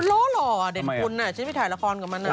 ล้อเด็ดคุณฉันให้ไปถ่ายละครกับมันน่ะ